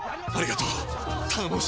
ありがとう！